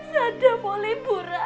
sada mau liburan